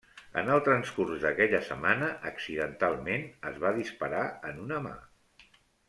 En el transcurs d'aquella setmana, accidentalment, es va disparar en una mà.